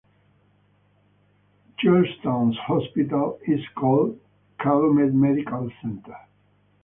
Chilton's hospital is called Calumet Medical Center.